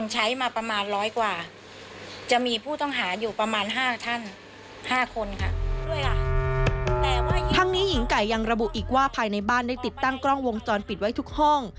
ทั้งนี้หญิงไก่ยังระบุอีกว่าภายในบ้านได้ติดตั้งกล้องวงจรปิดไว้ทุกห้อง